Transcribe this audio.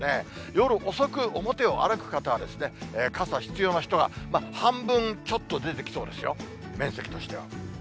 夜遅く、表を歩く方は、傘、必要な人が半分ちょっと出てきそうですよ、面積としては。